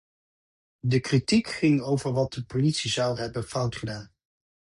De kritiek ging over wat de politie zou hebben fout gedaan.